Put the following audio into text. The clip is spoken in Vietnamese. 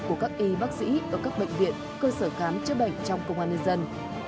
của các y bác sĩ ở các bệnh viện cơ sở khám chữa bệnh trong công an nhân dân